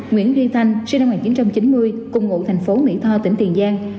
nguyễn duyên thanh sinh năm một nghìn chín trăm chín mươi cùng ngụ thành phố mỹ tho tỉnh tiền giang